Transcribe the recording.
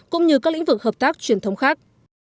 cũng như các lĩnh vực hợp tác truyền thống khác